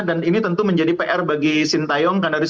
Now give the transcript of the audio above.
dan ini tentu menjadi pr bagi sintayong